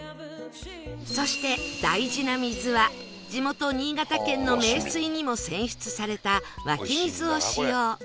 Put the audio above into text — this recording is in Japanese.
そして大事な水は地元新潟県の名水にも選出された湧き水を使用